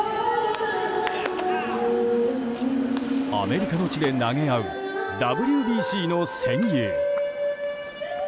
アメリカの地で投げ合うＷＢＣの戦友。